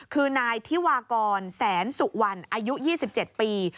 คือนายธิวากรแสนสุวรรณอายุ๒๗ปี